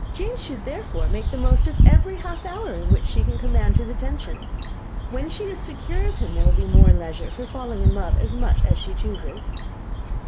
Jane should therefore make the most of every half hour in which she can command his attention. When she is secure of him, there will be leisure for falling in love as much as she chooses."